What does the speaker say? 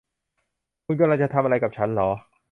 คุณกำลังจะทำอะไรกับฉันหรอ